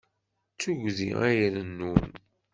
D tuggdi ay irennun.